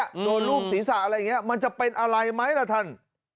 โดนรูปศีรษะอะไรอย่างนี้มันจะเป็นอะไรไหมล่ะท่าน